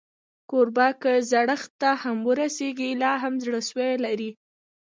کوربه که زړښت ته ورسېږي، لا هم زړهسوی لري.